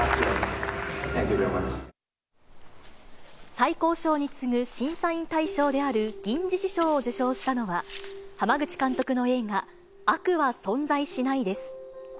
最高賞に次ぐ審査員大賞である銀獅子賞を受賞したのは、濱口監督の映画、悪は存在しないです。